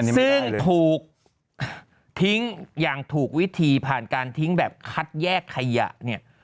ซึ่งถูกทิ้งอย่างถูกวิธีผ่านการทิ้งแบบคัดแยกขยะเนี่ย